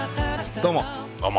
どうも。